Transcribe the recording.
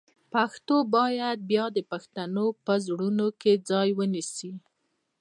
پښتو باید بیا د پښتنو په زړونو کې ځای ونیسي.